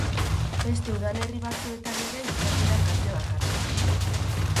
Beste udalerri batzuetan ere izan dira kalte bakanak.